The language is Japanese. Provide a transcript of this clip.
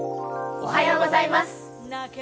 おはようございます。